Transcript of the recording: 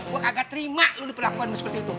gue kagak terima lu diperlakuan seperti itu